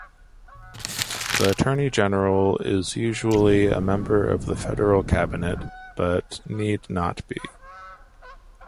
The Attorney-General is usually a member of the Federal Cabinet, but need not be.